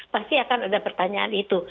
pasti akan ada pertanyaan itu